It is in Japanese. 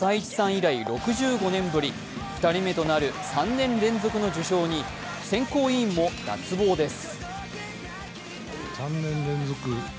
以来６５年ぶり、２人目となる３年連続の受賞に選考委員も脱帽です。